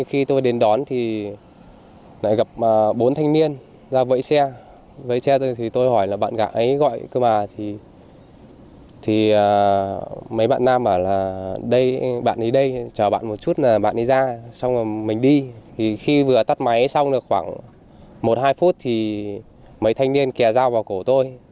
khi vừa tắt máy xong được khoảng một hai phút thì mấy thanh niên kè dao vào cổ tôi